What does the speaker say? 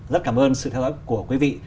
rất cảm ơn sự theo dõi của quý vị